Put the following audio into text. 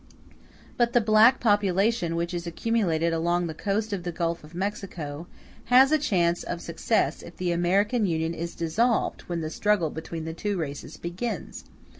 But the black population which is accumulated along the coast of the Gulf of Mexico, has a chance of success if the American Union is dissolved when the struggle between the two races begins.